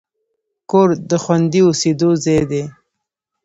کور د خوندي اوسېدو ځای دی.